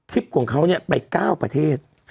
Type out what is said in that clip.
คลิปของเขาเนี่ยไป๙ประเทศ